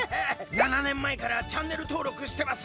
７年前からチャンネルとうろくしてます！